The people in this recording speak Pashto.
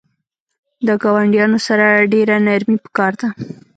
د ګاونډیانو سره ډیره نرمی پکار ده